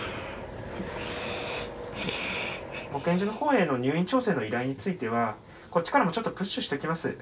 保健所のほうへの入院調整の依頼については、こっちからもちょっとプッシュしときます。